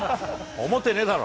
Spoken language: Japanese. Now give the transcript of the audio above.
思ってねえだろ。